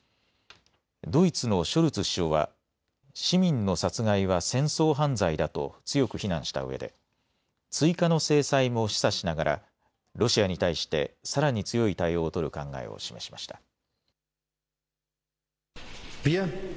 ドイツのショルツ首相は市民の殺害は戦争犯罪だと強く非難したうえで追加の制裁も示唆しながらロシアに対してさらに強い対応を取る考えを示しました。